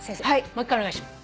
もう１回お願いします。